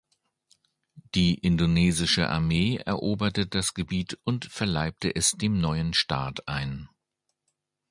Die indonesische Armee eroberte das Gebiet und verleibte es dem neuen Staat ein.